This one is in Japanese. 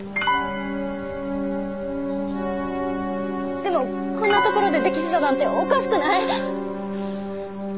でもこんな所で溺死だなんておかしくない？